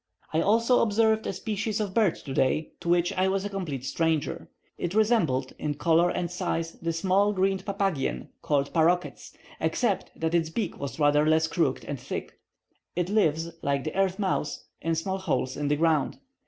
I also observed a species of bird today to which I was a complete stranger. It resembled, in colour and size, the small green papagien, called paroquets, except that its beak was rather less crooked and thick. It lives, like the earth mouse, in small holes in the ground.